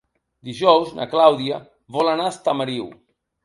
Dijous na Clàudia vol anar a Estamariu.